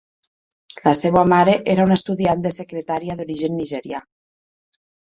La seva mare era una estudiant de secretària d'origen nigerià.